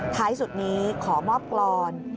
ท้ายสุดนี้ขอมอบกรอน